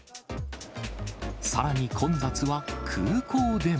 さらに混雑は空港でも。